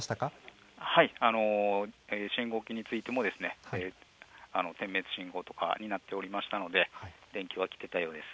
はい、信号機についてもですね、点滅信号とかになっておりましたので、電気は来てたようです。